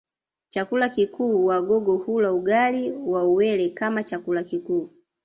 Chakula kikuu Wagogo hula ugali wa uwele kama chakula kikuu